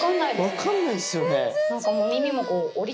分かんないですよね。